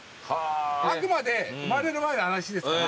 あくまで生まれる前の話ですから。